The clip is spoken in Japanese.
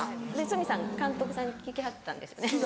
須美さん監督さんに聞きはったんですよね。